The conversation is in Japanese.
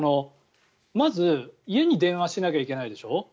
まず、家に電話しなきゃいけないでしょ。